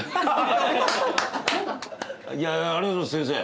いやありがとうございます先生。